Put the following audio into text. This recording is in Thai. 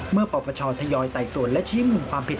เมื่อปรบประชอทยอยไต่ส่วนและชี้มุมความผิด